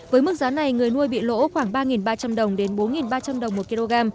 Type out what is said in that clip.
với mức giá này người nuôi bị lỗ khoảng ba ba trăm linh đồng đến bốn ba trăm linh đồng một kg